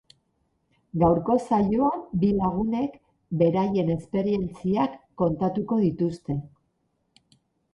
Gaurko saioan bi lagunek beraien esperientziak kontatuko dituzte.